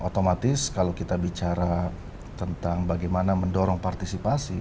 otomatis kalau kita bicara tentang bagaimana mendorong partisipasi